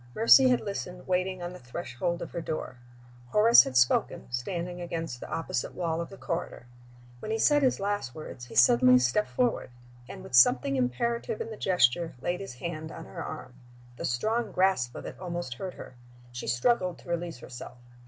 Mercy had listened, waiting on the threshold of her door; Horace had spoken, standing against the opposite wall of the corridor. When he said his last words he suddenly stepped forward, and (with something imperative in the gesture) laid his hand on her arm. The strong grasp of it almost hurt her. She struggled to release herself.